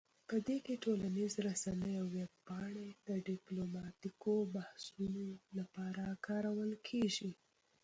په دې کې ټولنیز رسنۍ او ویب پاڼې د ډیپلوماتیکو بحثونو لپاره کارول کیږي